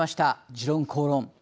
「時論公論」。